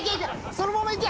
そのままいけ！